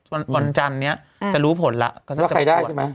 วันวันจันทร์เนี้ยแต่รู้ผลล่ะแล้วใครได้ใช่ไหม